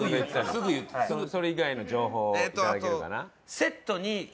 それ以外の情報を頂けるかな？